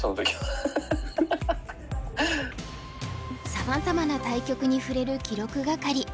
さまざまな対局に触れる記録係。